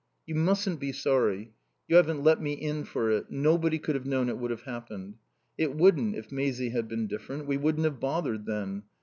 "You mustn't be sorry. You haven't let me in for it. Nobody could have known it would have happened. It wouldn't, if Maisie had been different. We wouldn't have bothered then.